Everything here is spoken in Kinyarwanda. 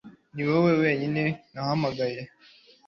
Niwowe wenyine nahamagaye